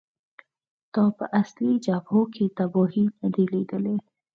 تا په اصلي جبهو کې تباهۍ نه دي لیدلې